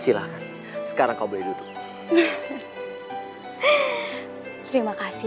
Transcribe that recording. silakan sekarang kau berdua terima kasih raden